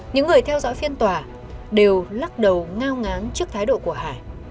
những người theo dõi phiên tòa đều lắc đầu ngao ngáng trước thái độ của hải